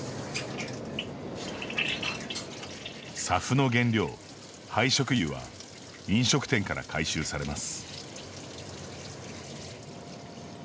ＳＡＦの原料、廃食油は飲食店から回収されます。